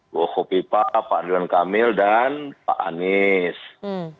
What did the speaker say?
pak kopipa pak andrian kamil dan pak aning